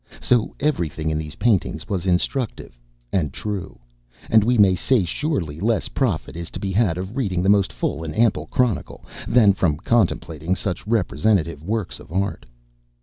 So everything in these paintings was instructive and true, and we may say surely less profit is to be had of reading the most full and ample Chronicle than from contemplating such representative works of art.